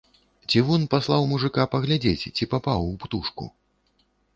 Цівун паслаў мужыка паглядзець, ці папаў у птушку.